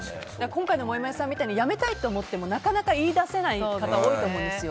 今回のもやもやさんみたいにやめたいと思っても言い出せない方多いと思うんです。